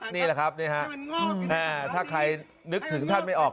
นี่แหละครับนี่ฮะถ้าใครนึกถึงท่านไม่ออก